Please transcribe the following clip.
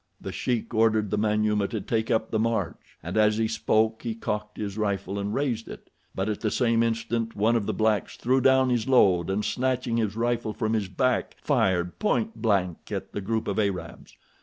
The sheik ordered the Manyuema to take up the march, and as he spoke he cocked his rifle and raised it. But at the same instant one of the blacks threw down his load, and, snatching his rifle from his back, fired point blank at the group of Arabs.